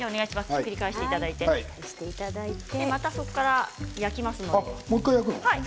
ひっくり返していただいてまだここから焼くの？